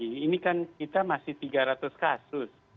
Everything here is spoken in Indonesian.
ini kan kita masih tiga ratus kasus